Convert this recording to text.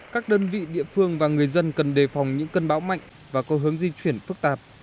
các đơn vị địa phương và người dân cần đề phòng những cơn bão mạnh và có hướng di chuyển phức tạp